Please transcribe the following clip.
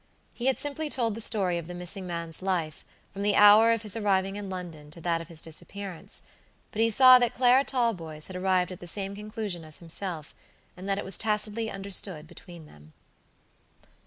He had simply told the story of the missing man's life, from the hour of his arriving in London to that of his disappearance; but he saw that Clara Talboys had arrived at the same conclusion as himself, and that it was tacitly understood between them.